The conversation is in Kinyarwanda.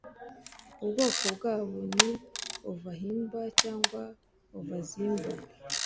ubwoko bwabo ni Ovahimba cyangwa Ovazimba